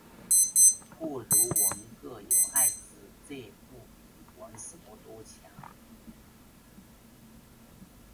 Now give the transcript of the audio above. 不如纹个“有艾滋”这不比纹什么都强